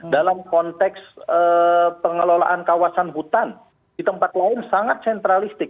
dalam konteks pengelolaan kawasan hutan di tempat lain sangat sentralistik